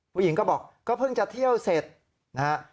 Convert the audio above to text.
ผู้หญิงก็บอกก็เพิ่งจะเที่ยวเสร็จนะฮะ